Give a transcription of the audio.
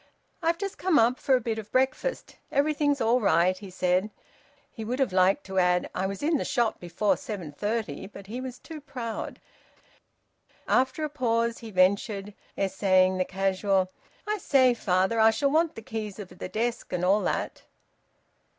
"I've just come up for a bit of breakfast. Everything's all right," he said. He would have liked to add: "I was in the shop before seven thirty," but he was too proud. After a pause, he ventured, essaying the casual "I say, father, I shall want the keys of the desk, and all that."